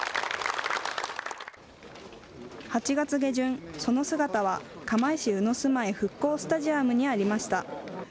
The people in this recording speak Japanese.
８月下旬、その姿は釜石鵜住居復興スタジアムにありました。